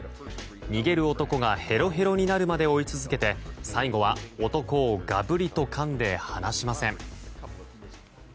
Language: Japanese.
逃げる男がヘロヘロになるまで追い続けて最後は男をがぶりをかんで離しません。